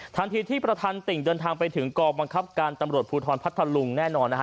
ทันทีที่ประธานติ่งเดินทางไปถึงกองบังคับการตำรวจภูทรพัทธลุงแน่นอนนะฮะ